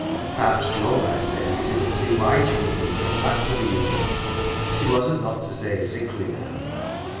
Perhaps Joe might say as he didn't see why Jinny need go back to the Union she wasn't not to say sickly now.